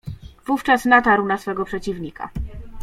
"Wówczas natarł na swego przeciwnika."